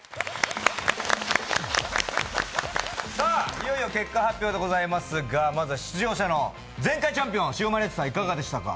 いよいよ結果発表でございますがまずは出場者、前回チャンピオンシオマリアッチさんいかがでしたか。